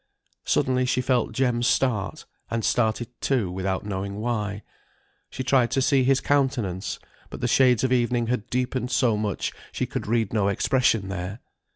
Suddenly she felt Jem start, and started too without knowing why; she tried to see his countenance, but the shades of evening had deepened so much she could read no expression there.